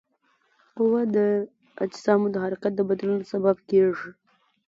قوه د اجسامو د حرکت د بدلون سبب کیږي.